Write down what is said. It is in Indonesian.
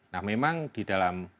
nah memang di dalam